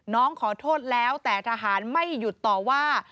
น้องขอโทษแล้วแต่ทหารไม่หยุดต่อว่า